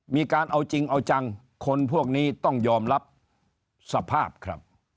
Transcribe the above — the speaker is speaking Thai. มีการเอาจริงเอาจังคนพวกนี้ต้องยอมรับสภาพครับ